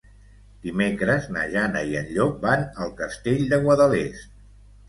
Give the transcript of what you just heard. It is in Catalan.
Dimecres na Jana i en Llop van al Castell de Guadalest.